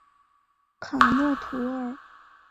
卡默图尔。